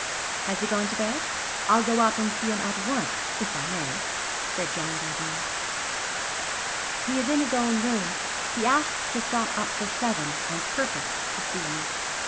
'Has he gone to bed? I'll go up to see him at once, if I may,' said John Jardine. 'He is in his own room. He asked to stop up till seven on purpose to see you.'